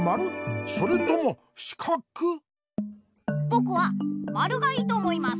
ぼくは「まる」がいいと思います。